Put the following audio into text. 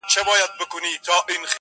اخ پښتونه چي لښکر سوې نو دبل سوې,